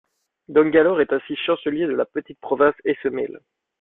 Dongalor est ainsi Chancelier de la petite province Hessemeel.